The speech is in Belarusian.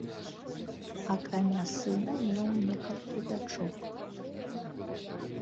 Акрамя сына, меў некалькі дачок.